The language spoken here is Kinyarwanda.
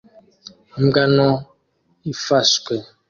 Imbwa nto ifashwe